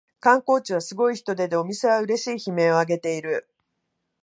観光地はすごい人出でお店はうれしい悲鳴をあげている